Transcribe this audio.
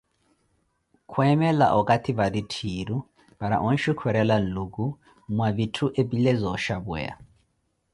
Khweemela okathi vattitthiru para onxukhurela nluku mwa vitthu epile zooxhapweya.